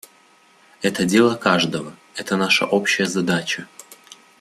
Это дело каждого; это наша общая задача.